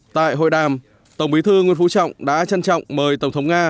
tại hội đàm tổng bí thư nguyễn phú trọng đã trân trọng mời tổng thống nga